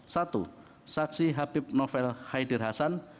satu saksi habib novel haidir hasan